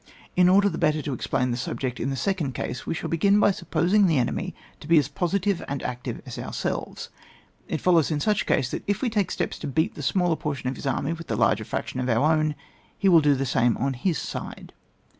In order the better to explain the subject in the second case, we diall be gin by supposing the enemy to be as positive and active as ourselves ; it follows in such case that if we take steps to beat the smaller portion of his army with the larger fraction of our own, he will do the same on his side.